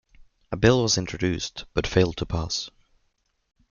A bill was introduced, but failed to pass.